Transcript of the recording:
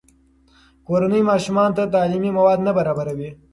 کورنۍ ماشومانو ته تعلیمي مواد نه برابروي.